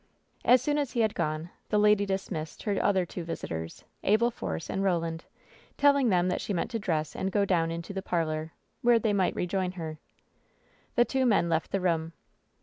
As soon as he had gone, the lady dismissed her other two visitors, Abel Force and Eoland, telling them that she meant to dress and go down into the parlor, where they might rejoin her. The two men left the room.